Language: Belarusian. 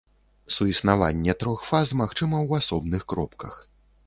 Суіснаванне трох фаз магчыма ў асобных кропках.